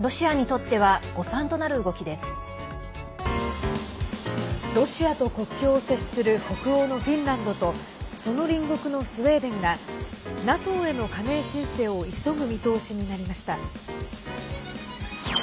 ロシアと国境を接する北欧のフィンランドとその隣国のスウェーデンがＮＡＴＯへの加盟申請を急ぐ見通しになりました。